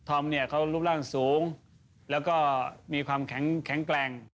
อมเนี่ยเขารูปร่างสูงแล้วก็มีความแข็งแกร่ง